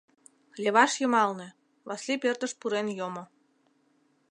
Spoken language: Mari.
— Леваш йымалне, — Васлий пӧртыш пурен йомо.